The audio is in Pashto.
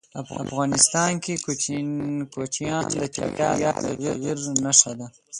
افغانستان کې کوچیان د چاپېریال د تغیر نښه ده.